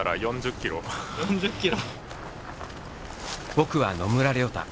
「僕」は野村良太。